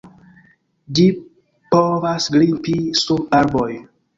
Ĝi povas grimpi sur arboj.